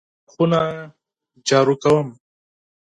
زه خونه جارو کوم .